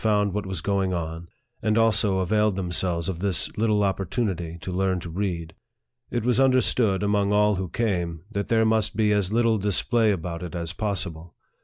81 what was going on, and also availed themselves of this little opportunity to learn to read. It was understood, among all who came, that there must be as little dis play about it as possible.